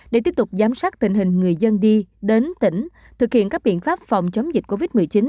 để tiếp tục giám sát tình hình người dân đi đến tỉnh thực hiện các biện pháp phòng chống dịch covid một mươi chín